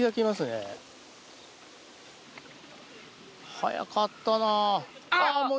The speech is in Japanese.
早かったな。